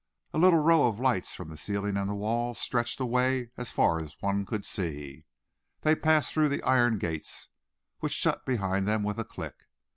A little row of lights from the ceiling and the walls stretched away as far as one could see. They passed through the iron gates, which shut behind them with a click.